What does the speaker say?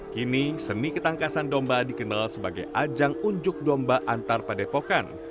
kini seni ketangkasan domba dikenal sebagai ajang unjuk domba antar padepokan